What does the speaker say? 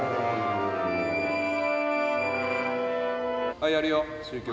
はいやるよ終曲。